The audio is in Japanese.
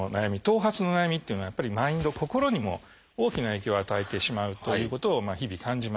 頭髪の悩みっていうのはやっぱりマインド心にも大きな影響を与えてしまうということを日々感じます。